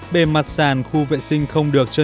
hai sáu ba bảy bề mặt sàn khu vệ sinh